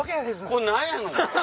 これ何やの？